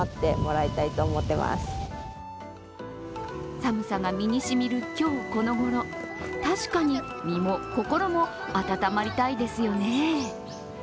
寒さが身にしみる今日このごろ、確かに、身も心も温まりたいですよね。